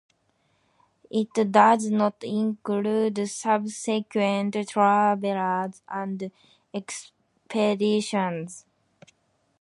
It does not include subsequent travellers and expeditions.